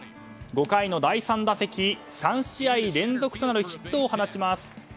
５回の第３打席３試合連続となるヒットを放ちます。